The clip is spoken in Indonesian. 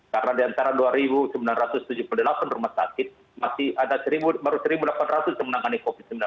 karena di antara dua sembilan ratus tujuh puluh delapan rumah sakit masih ada baru satu delapan ratus yang menangani covid sembilan belas